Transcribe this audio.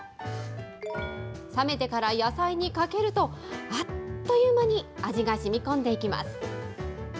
冷めてから、野菜にかけると、あっという間に味がしみこんでいきます。